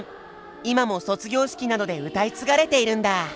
今も卒業式などで歌い継がれているんだ！